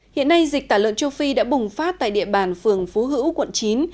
hiện nay dịch tả lợn châu phi đã bùng phát tại địa bàn phường phú hữu quận chín